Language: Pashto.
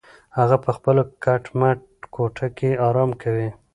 هغه په خپله کټ مټ کوټه کې ارام کوي.